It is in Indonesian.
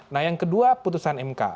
nah yang kedua putusan mk